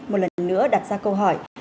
một lần nữa đặt ra câu hỏi